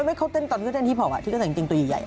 ใช่อ๋อเขาเต้นตอนเฮพอปที่ก็ใส่ตัวใหญ่